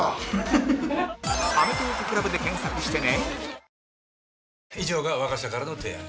「アメトーーク ＣＬＵＢ」で検索してね